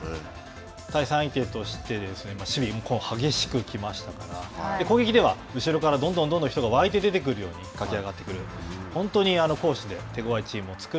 対戦相手として守備も激しく来ましたから、攻撃では後ろからどんどんどんどん人が沸いて出てくるように駆け上がってくる。